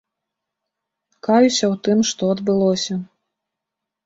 Каюся ў тым, што адбылося.